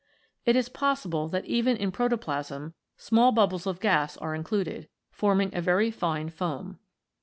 It is possible that even in protoplasm small bubbles of gas are included, forming a very fine foam.